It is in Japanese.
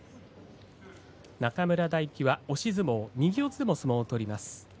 中村泰輝は押し相撲、右四つでの相撲を取ります。